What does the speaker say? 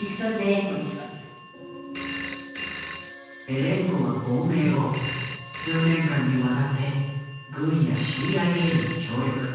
ベレンコは亡命後数年間にわたって軍やＣＩＡに協力。